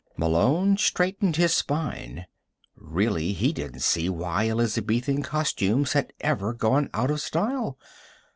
Malone straightened his spine. Really, he didn't see why Elizabethan costumes had ever gone out of style.